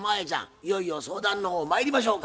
いよいよ相談の方まいりましょうか。